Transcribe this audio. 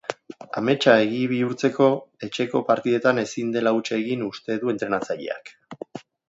Ametsa egi bihurtzeko, etxeko partidetan ezin dela huts egin uste du entrenatzaileak.